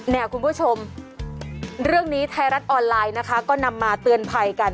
เนี่ยคุณผู้ชมเรื่องนี้ไทยรัฐออนไลน์นะคะก็นำมาเตือนภัยกัน